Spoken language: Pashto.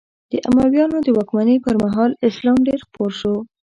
د امویانو د واکمنۍ پر مهال اسلام ډېر خپور شو.